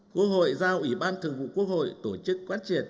quốc hội giao ủy ban thường vụ quốc hội tổ chức quán triệt